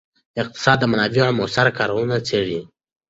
اقتصاد د منابعو مؤثره کارونه څیړي.